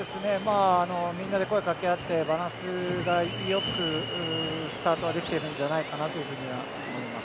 みんなで声をかけ合ってバランスよくスタートできているんじゃないかなと思います。